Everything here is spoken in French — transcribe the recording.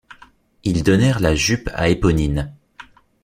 Ils donnèrent la jupe à Éponine.